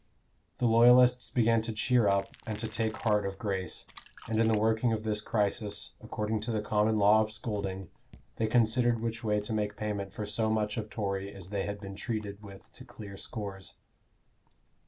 The Loyalists began to cheer up and to take heart of grace, and in the working of this crisis, according to the common law of scolding, they considered which way to make payment for so much of Tory as they had been treated with to clear scores.